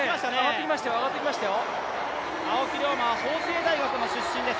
青木涼真は法政大学の出身です。